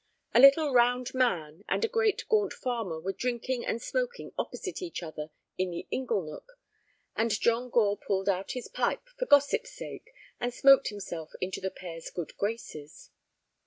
A little round man and a great gaunt farmer were drinking and smoking opposite each other in the ingle nook, and John Gore pulled out his pipe, for gossip's sake, and smoked himself into the pair's good graces.